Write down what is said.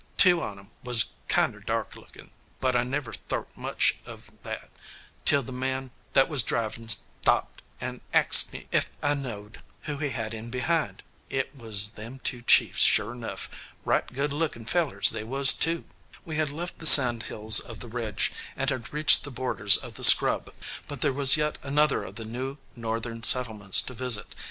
Two on 'em was kinder dark lookin', but I never thort much of that till the man that was drivin' stopped and axed me ef I knowed who he had in behind. It was them two chiefs, sure 'nough: right good lookin' fellers they was, too." We had left the sandhills of the Ridge, and had reached the borders of the Scrub, but there was yet another of the new Northern settlements to visit.